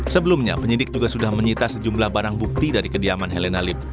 sebelumnya penyidik juga sudah menyita sejumlah barang bukti dari kediaman helena lib